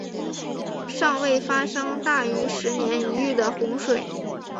尚未发生大于十年一遇的洪水。